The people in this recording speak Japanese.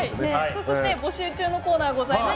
そして募集中のコーナーございます。